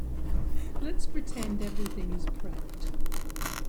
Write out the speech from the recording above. Let's pretend everything is prepped.